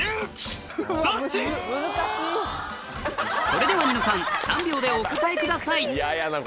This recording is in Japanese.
それではニノさん３秒でお答えください嫌やな